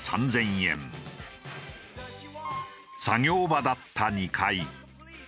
作業場だった２階。